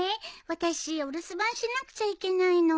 私お留守番しなくちゃいけないの。